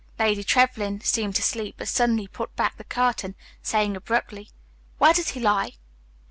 Lady Trevlyn seemed to sleep, but suddenly put back the curtain, saying abruptly, "Where does he lie?"